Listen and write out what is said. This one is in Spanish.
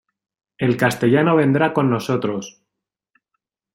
El castellano vendrá con nosotros.